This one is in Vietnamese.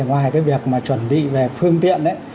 ngoài cái việc chuẩn bị về phương tiện